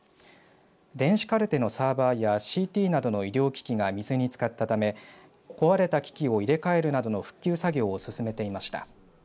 電子カルテのサーバーやＣＴなどの医療機器が水につかったため壊れた機器を入れ替えるなどの復旧作業を進めていました。